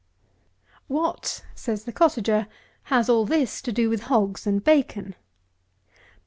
153. "What," says the cottager, "has all this to do with hogs and bacon?"